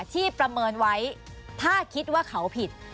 ประเมินไว้ถ้าคิดว่าเขาผิด